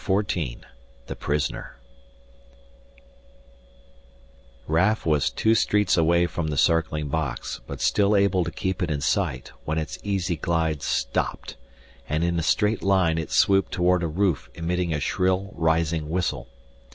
14 THE PRISONER Raf was two streets away from the circling box but still able to keep it in sight when its easy glide stopped, and, in a straight line, it swooped toward a roof emitting a shrill, rising whistle.